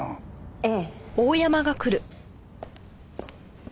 ええ。